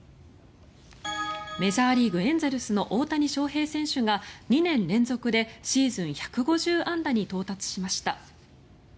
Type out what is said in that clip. メジャーリーグ、エンゼルスの大谷翔平選手が２年連続でシーズン１５０安打に到達しました。